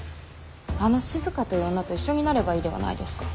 あの静という女と一緒になればいいではないですか。